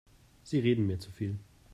Sie reden mir zu viel.